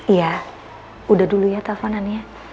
iya udah dulu ya telponannya